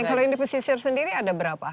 kalau yang di pesisir sendiri ada berapa